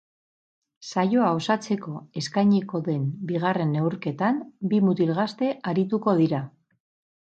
Saioa osatzeko eskainiko den bigarren neurketan, bi mutil gazte arituko dira.